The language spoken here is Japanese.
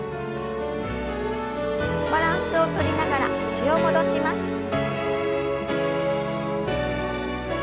バランスをとりながら脚を戻します。